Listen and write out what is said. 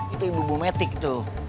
itu ibu ibu metik tuh